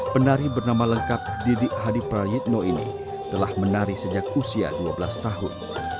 penari bernama lengkap didik hadi prayitno ini telah menari sejak usia dua belas tahun